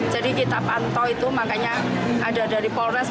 jadi kita pantau itu makanya ada dari polrest